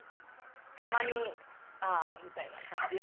たまにあみたいな感じで。